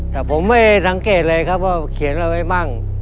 แต่ผมไม่สังเกตเลยครับว่าเขียนอะไรไว้มั่ง